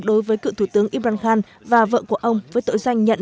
đối với cựu thủ tướng imran khan và vợ của ông với tội danh nhận